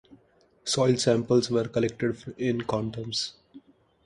Soil samples were collected in condoms.